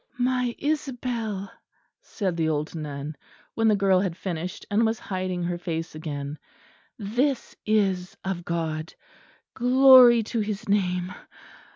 "My Isabel," said the old nun, when the girl had finished and was hiding her face again, "this is of God. Glory to His Name!